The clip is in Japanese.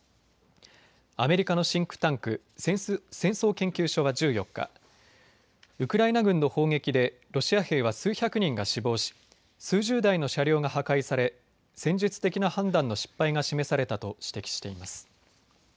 アメリカのシンクタンク戦争研究所は１４日ウクライナ軍の砲撃でロシア兵は数百人が死亡し数十台の車両が破壊され戦術的な判断の失敗が示されたと指摘しています。